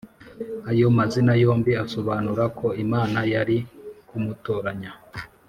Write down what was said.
Ayo mazina yombi asobanura ko Imana yari kumutoranya.